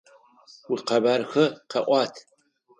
Уикъэбархэ къэӏуат!